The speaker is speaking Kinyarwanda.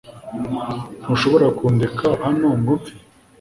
Ntushobora kundeka hano ngo mpfe